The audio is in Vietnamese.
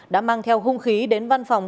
đã mang theo hung khí đến văn phòng